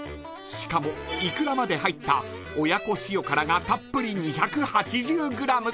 ［しかもイクラまで入った親子塩辛がたっぷり２８０ｇ］